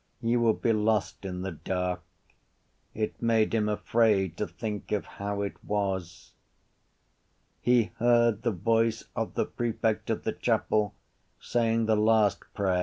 You would be lost in the dark. It made him afraid to think of how it was. He heard the voice of the prefect of the chapel saying the last prayer.